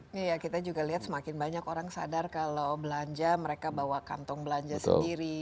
iya kita juga lihat semakin banyak orang sadar kalau belanja mereka bawa kantong belanja sendiri